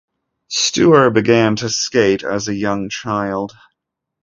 Steuer began to skate as a young child.